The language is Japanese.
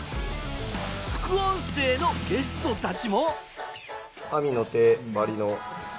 副音声のゲストたちも。